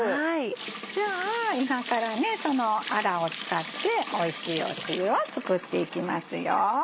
じゃあ今からそのアラを使っておいしい汁を作っていきますよ。